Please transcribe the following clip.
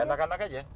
ya anak anak aja